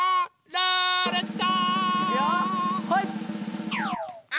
ルーレット！